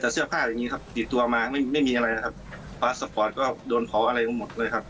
จุดตรงนี้ที่พักที่พักไม่เหลืออะไรเลยว่ะ